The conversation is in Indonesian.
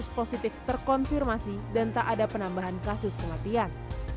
kasus positif terkonfirmasi dan tak ada penambahan kasus kematian